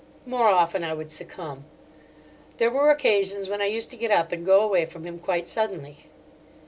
More often I would succumb. There were occasions when I used to get up and go away from him, quite suddenly.